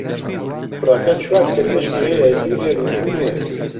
کوڕەکە چوار کەروێشکی هەیە، دوو نێر و دوو مێ.